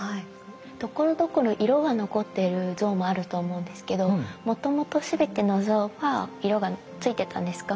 ところどころ色が残っている像もあると思うんですけどもともと全ての像は色がついてたんですか？